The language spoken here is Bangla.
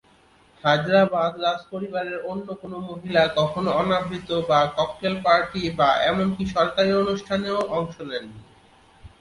হায়দরাবাদ রাজপরিবারের অন্য কোনও মহিলা কখনও অনাবৃত বা ককটেল পার্টি বা এমনকি সরকারী অনুষ্ঠানেও অংশ নেন নি।